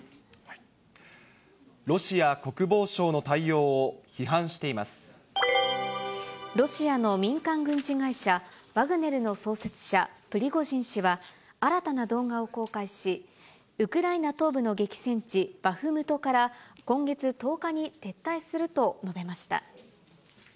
ロシア国防省の対応を批判しロシアの民間軍事会社ワグネルの創設者、プリゴジン氏は、新たな動画を公開し、ウクライナ東部の激戦地、バフムトから今月１０日に撤退すると述べました。